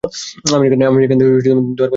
আমেরিকানদের দয়ার কথা কি বলিব।